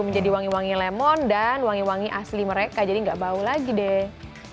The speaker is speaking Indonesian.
menjadi wangi wangi lemon dan wangi wangi asli mereka jadi enggak bau lagi deh